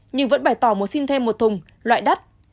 nhưng vẫn bày tỏ muốn xin thêm một thùng loại đắt